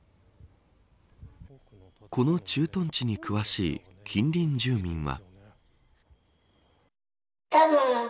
この駐屯地に詳しい近隣住民は。